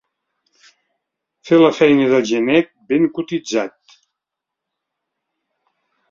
Fer la feina del genet ben cotitzat.